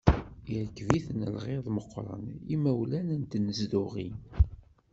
Yerkeb-iten lɣiḍ meqqren yimawlan n tnezduɣin.